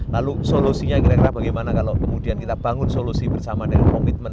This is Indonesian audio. lalu solusinya kira kira bagaimana kalau kemudian kita bangun solusi bersama dengan komitmen